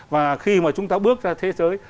và khi mà chúng ta bước ra thế giới